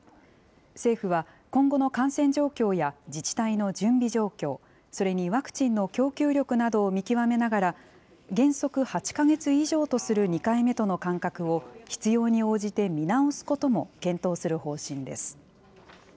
政府は今後の感染状況や自治体の準備状況、それにワクチンの供給力などを見極めながら、原則８か月以上とする２回目との間隔を、必要に応じて見直すことも検討する方針です。